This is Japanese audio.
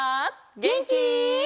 げんき？